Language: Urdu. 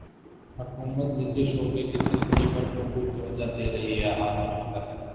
حکومت نجی شعبے کی ترقی پر بھرپور توجہ دے رہی ہے ہارون اختر